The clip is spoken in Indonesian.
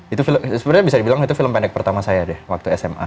itu film sebenarnya bisa dibilang itu film pendek pertama saya deh waktu sma